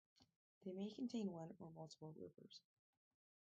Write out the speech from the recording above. They may contain one or multiple rivers.